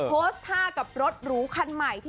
โพสต์ท่ากับรถหรูคันใหม่